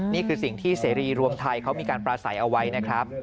นี่คือสิ่งที่เสรีรวมไทยเขามีการปราศัยเอาไว้นะครับ